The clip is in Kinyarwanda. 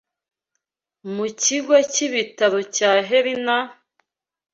Mu kigo cy’ibitaro cya Helena,